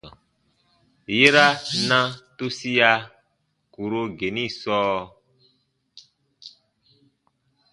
Yera na tusia kùro geni sɔɔ.